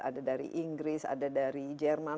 ada dari inggris ada dari jerman